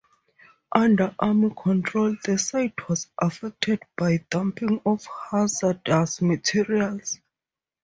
Under Army control, the site was affected by dumping of hazardous materials.